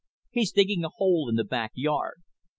He's digging a hole in the back yard.